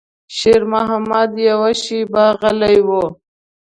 شېرمحمد يوه شېبه غلی و.